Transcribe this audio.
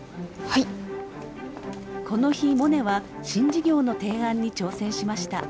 この日モネは新事業の提案に挑戦しました。